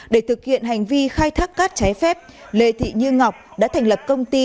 để thực hiện hành vi khai thác cát trái phép lê thị như ngọc đã thành lập công ty